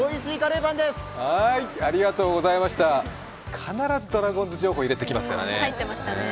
必ずドラゴンズ情報を入れてきますからね。